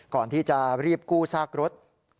ก่อนที่จะรีบกู้ซากรถ